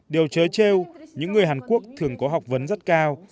điều trớ trêu những người hàn quốc thường có học vấn rất cao